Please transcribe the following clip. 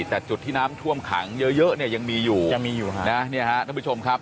แต่จุดที่น้ำท่วมขังเยอะยังมีอยู่ท่านผู้ชมครับ